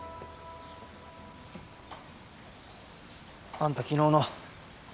あんた昨日の。